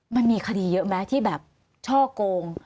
มันมีคดีเยอะไหมที่แบบช่อโกง